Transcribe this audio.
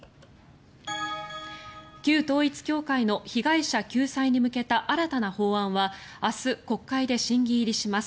旧統一教会の被害者救済に向けた新たな法案は明日、国会で審議入りします。